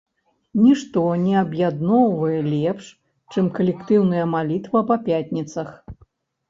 Нішто не аб'ядноўвае лепш, чым калектыўная малітва па пятніцах.